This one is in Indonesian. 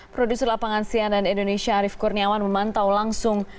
produser lapangan sian dan indonesia arief kurniawan memantau langsung